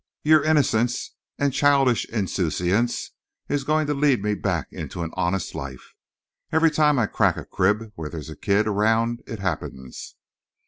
Your innocence and childish insouciance is going to lead me back into an honest life. Every time I crack a crib where there's a kid around, it happens."